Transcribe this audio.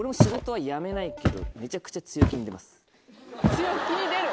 強気に出る！